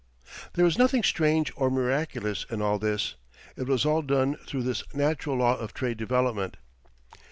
There is nothing strange or miraculous in all this; it was all done through this natural law of trade development.